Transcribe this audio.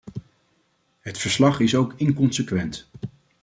Het verslag is ook inconsequent.